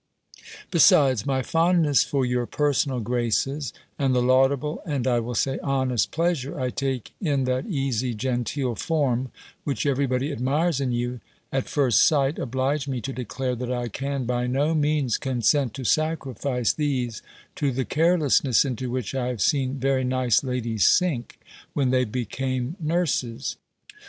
"Besides, my fondness for your personal graces, and the laudable, and, I will say, honest pleasure, I take in that easy, genteel form, which every body admires in you, at first sight, oblige me to declare, that I can by no means consent to sacrifice these to the carelessness into which I have seen very nice ladies sink, when they became nurses.